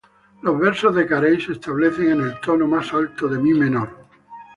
Los versos de Carey se establecen en el tono más alto de mi menor.